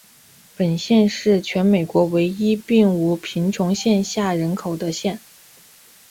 本县是全美国唯一并无贫穷线下人口的县。